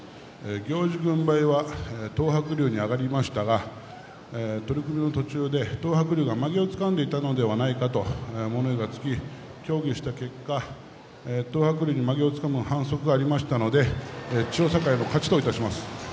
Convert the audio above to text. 行司軍配は東白龍に上がりましたが取組の途中で東白龍がまげをつかんでいたのではないかといい物言いがつき協議した結果東白龍のまげをつかむ反則がありましたので千代栄の勝ちといたします。